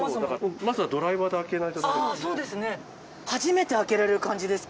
初めて開けられる感じですか？